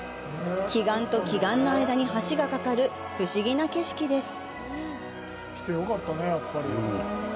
奇岩と奇岩の間に橋がかかる不思議な景色です。